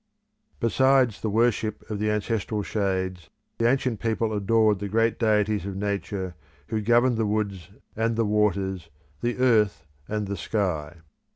Besides the worship of the ancestral shades the ancient people adored the great deities of nature who governed the woods and the waters, the earth and the sky.